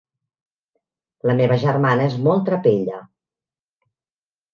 La meva germana és molt trapella.